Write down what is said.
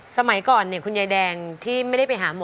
สมัยก่อนคุณยายแดงที่ไม่ได้ไปหาหมอ